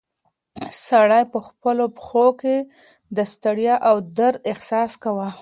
سړی په خپلو پښو کې د ستړیا او درد احساس کاوه.